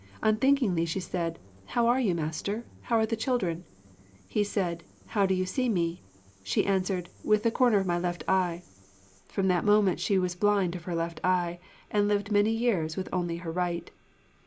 Unthinkingly she said, "How are you master? how are the children?" He said, "How did you see me?" She answered, "With the corner of my left eye." From that moment she was blind of her left eye, and lived many years with only her right.'